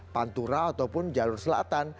pantura ataupun jalur selatan